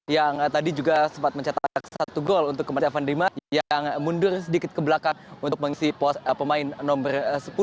yang tadi juga sempat mencetak satu gol untuk kemarin evan dima yang mundur sedikit ke belakang untuk mengisi pemain nomor sepuluh